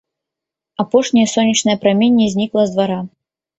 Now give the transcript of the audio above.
Апошняе сонечнае праменне знікла з двара.